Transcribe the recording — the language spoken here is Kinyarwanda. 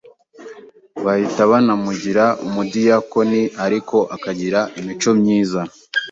bahita banamugira umudiyakoni, ariko akagira imico myiza pe,